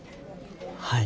はい。